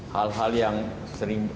hal hal yang sering